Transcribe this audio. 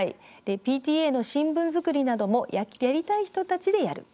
ＰＴＡの新聞作りなどもやりたい人たちでやる。